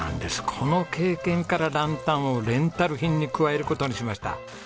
この経験からランタンをレンタル品に加える事にしました。